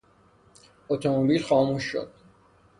اتومبیل خاموش شد.